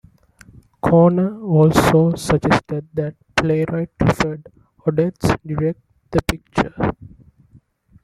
Koerner also suggested that playwright Clifford Odets direct the picture.